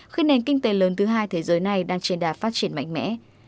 khi nền kinh tế lớn thứ hai thế giới này đang trên đà phát triển mạnh mẽ